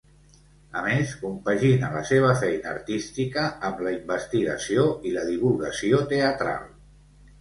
A més, compagina la seva feina artística amb la investigació i la divulgació teatral.